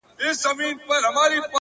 ستا تر ځوانۍ بلا گردان سمه زه ـ